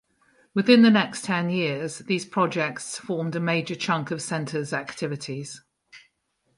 Within the next ten years, these projects formed a major chunk of Centre's activities.